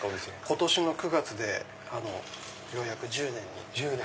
今年の９月でようやく１０年に。